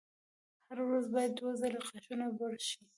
هره ورځ باید دوه ځلې غاښونه برش شي.